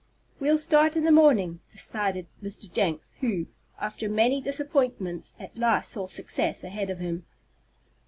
"We'll start in the morning," decided Mr. Jenks, who, after many disappointments, at last saw success ahead of him.